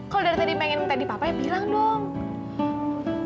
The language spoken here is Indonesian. kalau dari tadi pengen minta di papanya bilang dong